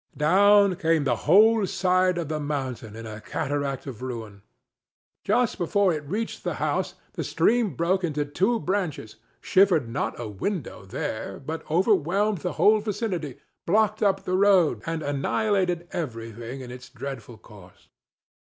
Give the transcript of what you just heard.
Down came the whole side of the mountain in a cataract of ruin. Just before it reached the house the stream broke into two branches, shivered not a window there, but overwhelmed the whole vicinity, blocked up the road and annihilated everything in its dreadful course.